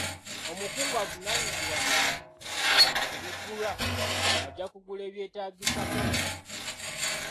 Omukungu avunaanyizibwa ku bigulwa ajja kugula ebyetaagisa byonna.